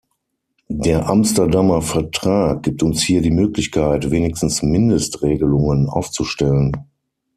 Der Amsterdamer Vertrag gibt uns hier die Möglichkeit, wenigstens Mindestregelungen aufzustellen.